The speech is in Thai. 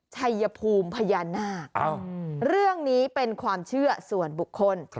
ชัยภูมิพญานาคเรื่องนี้เป็นความเชื่อส่วนบุคคล